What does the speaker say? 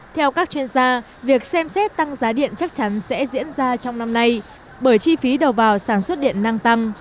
theo các chuyên gia việc xem xét tăng giá điện chắc chắn sẽ diễn ra trong năm nay bởi chi phí đầu vào sản xuất điện năng tăng